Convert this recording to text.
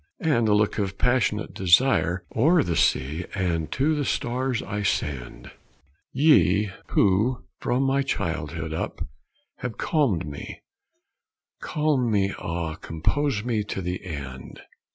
And a look of passionate desire O'er the sea and to the stars I send: "Ye who from my childhood up have calmed me, Calm me, ah, compose me to the end!